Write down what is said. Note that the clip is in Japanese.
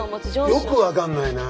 いやよく分かんないな。